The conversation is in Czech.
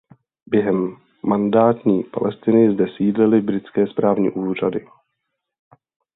Během mandátní Palestiny zde sídlily britské správní úřady.